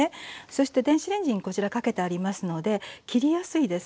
そして電子レンジにこちらかけてありますので切りやすいです。